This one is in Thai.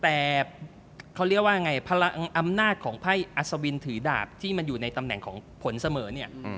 แต่เขาเรียกว่าไงพลังอำนาจของไพ่อัศวินถือดาบที่มันอยู่ในตำแหน่งของผลเสมอเนี่ย